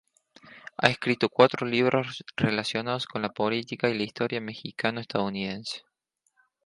Ha escrito cuatro libros relacionados con la política y la historia mexicano-estadounidense.